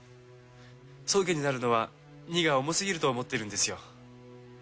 宗家になるのは荷が重すぎると思ってるんですよ。